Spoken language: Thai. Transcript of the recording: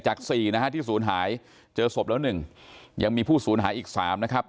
จากสี่นะฮะที่ศูนย์หายเจอศพแล้วหนึ่งยังมีผู้ศูนย์หายอีกสามนะครับ